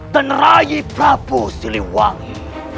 dan rai prabu siliwangi